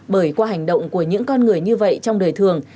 bởi qua hành động của những con người như vậy trong đời thường